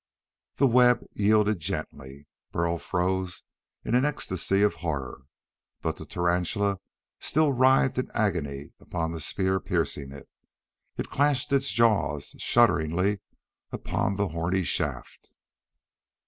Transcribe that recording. The web yielded gently. Burl froze in an ecstasy of horror. But the tarantula still writhed in agony upon the spear piercing it. It clashed its jaws, shuddering upon the horny shaft.